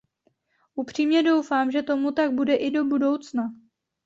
Upřímně doufám, že tomu tak bude i do budoucna.